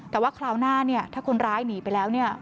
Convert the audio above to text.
แต่ว่าคราวหน้าเนี่ยถ้าคนร้ายหนีไปแล้วเนี่ย